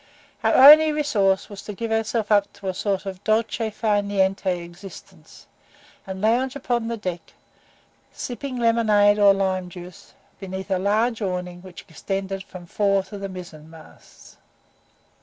Our only resource was to give ourselves up to a sort of DOLCE FAR NIENTE existence, and lounge upon the deck, sipping lemonade or lime juice, beneath a large awning which extended from the fore to the mizen masts.